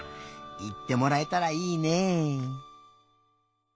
いってもらえたらいいね。